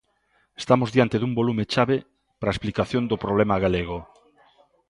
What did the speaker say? Estamos diante dun volume chave para a explicación do problema galego.